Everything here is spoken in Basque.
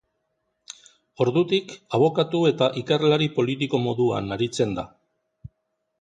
Ordutik abokatu eta ikerlari politiko moduan aritzen da.